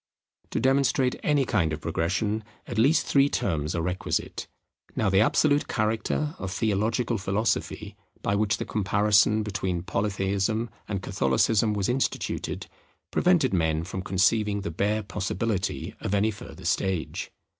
To demonstrate any kind of progression, at least three terms are requisite. Now the absolute character of theological philosophy, by which the comparison between Polytheism and Catholicism was instituted, prevented men from conceiving the bare possibility of any further stage.